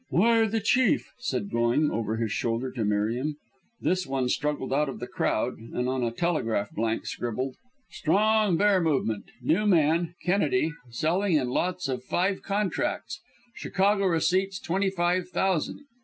"Wire the Chief," said Going over his shoulder to Merriam. This one struggled out of the crowd, and on a telegraph blank scribbled: "Strong bear movement New man Kennedy Selling in lots of five contracts Chicago receipts twenty five thousand."